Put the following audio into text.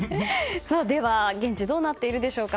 では、現地どうなっているでしょうか。